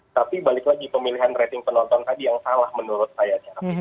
tapi balik lagi pemilihan rating penonton tadi yang salah menurut saya